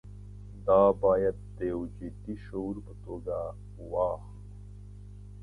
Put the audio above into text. دا باید د یوه جدي شعور په توګه واخلو.